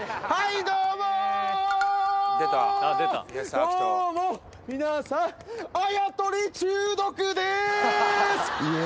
どうも、皆さん、あやとり中毒です。